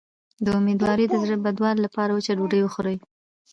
د امیدوارۍ د زړه بدوالي لپاره وچه ډوډۍ وخورئ